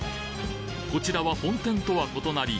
こちらは本店とは異なり